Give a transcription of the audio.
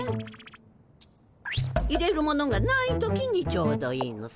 入れるものがない時にちょうどいいのさ。